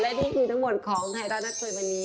และที่มีทั้งหมดของไทรัศนัดพื้นวันนี้